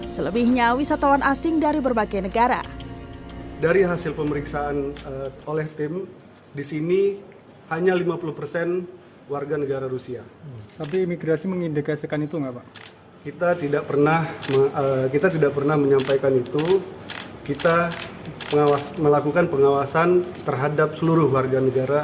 selebihnya wisatawan asing dari berbagai negara